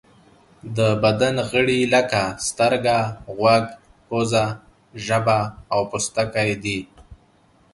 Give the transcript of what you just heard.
د بدن غړي لکه سترګه، غوږ، پزه، ژبه او پوستکی دي.